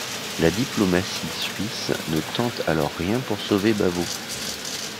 La diplomatie suisse ne tente alors rien pour sauver Bavaud.